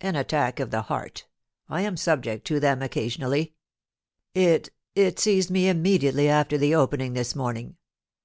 An attack of the heart I am subject to them occasionally. It — it seized me immediately after the Opening this morning.